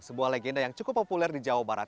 sebuah legenda yang cukup populer di jawa barat